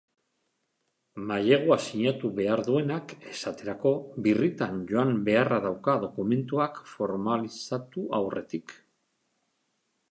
Mailegua sinatu behar duenak esaterako, birritan joan beharra dauka dokumentuak formalizatu aurretik.